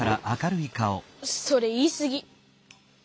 それ言いすぎ。